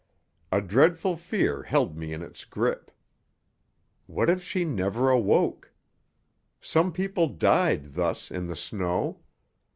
A dreadful fear held me in its grip: what if she never awoke? Some people died thus in the snow.